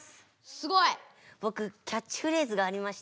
すごい！ぼくキャッチフレーズがありまして。